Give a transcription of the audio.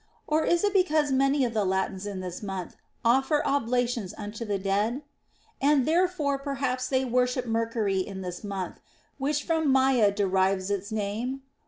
Or is it because many THE ROMAN QUESTIONS. 251 of the Latins in this month offer oblations unto the dead? And therefore perhaps they worship Mercury in this month, which from Maia derives its name?